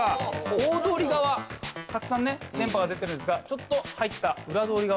大通り側たくさんね電波が出ているんですがちょっと入った裏通り側。